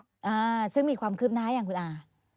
อ่าซึ่งมีความคืบหน้ายังคุณอา